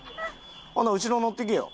ほんなら後ろ乗ってけよ！